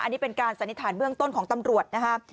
อันนี้เป็นการสันนิษฐานเบื้องต้นของตำรวจนะครับ